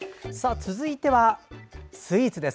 続いてはスイーツです。